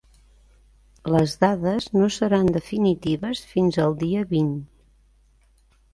Les dades no seran definitives fins al dia vint.